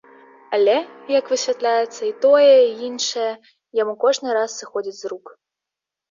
Але, як высвятляецца, і тое, і іншае яму кожны раз сыходзіць з рук.